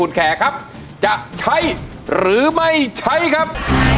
ไม่ใช้ครับไม่ใช้ครับ